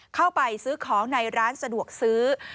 เข้าไปซื้อของในร้านสะดวกซื้อ